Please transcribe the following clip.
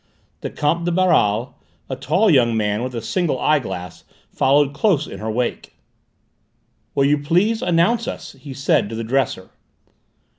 The Comte de Baral, a tall young man with a single eyeglass, followed close in her wake. "Will you please announce us," he said to the dresser.